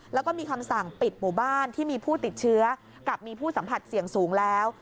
แล้วก็มีคำสั่งปิดหมู่บ้านที่มีผู้ติดเชื้อกับมีผู้สัมผัสเสี่ยงสูงแล้ว